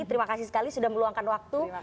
terima kasih sekali sudah meluangkan waktu